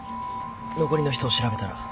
残りの人を調べたら。